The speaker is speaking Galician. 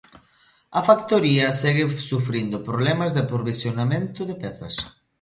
A factoría segue sufrindo problemas de aprovisionamento de pezas.